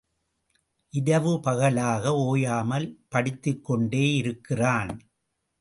இரவு பகலாக ஓயாமல் படித்துக் கொண்டே இருக்கிறான்.